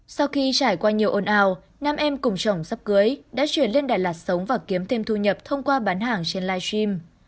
sau khi trải qua nhiều ồn ào nam em cùng chồng sắp cưới đã chuyển lên đà lạt sống và kiếm thêm thu nhập thông qua bán hàng trên live stream